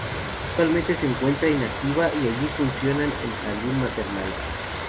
Actualmente se encuentra inactiva y allí funciona el jardín maternal.